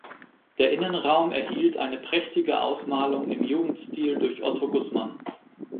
Der Innenraum erhielt eine prächtige Ausmalung im Jugendstil durch Otto Gussmann.